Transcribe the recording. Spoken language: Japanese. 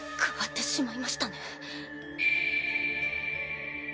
変わってしまいましたね。